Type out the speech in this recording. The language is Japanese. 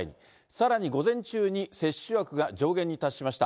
さらに午前中に接種枠が上限に達しました。